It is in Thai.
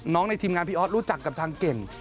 ในทีมงานพี่ออสรู้จักกับทางเก่ง